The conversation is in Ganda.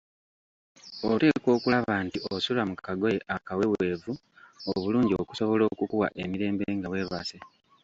Oteekwa okulaba nti osula mu kagoye akaweweevu obulungi akasobola okukuwa emirembe nga weebase.